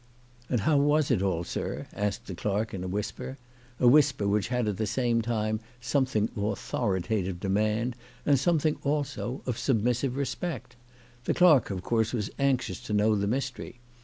" And how was it all, sir ?" asked the clerk, in a whisper a whisper which had at the same time something of authoritative demand and something also of submissive respect. The clerk of course was anxious to know the mystery.